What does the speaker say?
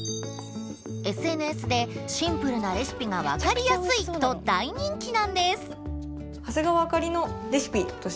ＳＮＳで「シンプルなレシピが分かりやすい」と大人気なんです！